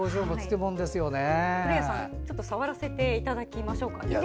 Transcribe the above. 古谷さん、ちょっと触らせていただきましょうか。